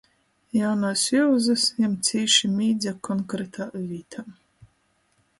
Jaunuos iuzys jam cīši mīdze konkretā vītā.